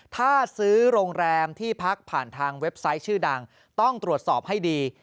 ถ้าซื้อโรงแรมที่พักผ่านทางเว็บไซต์ชื่อดังต้องตรวจสอบให้ดี